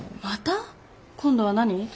また？今度は何？